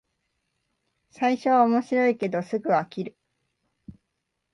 最初は面白いけどすぐ飽きる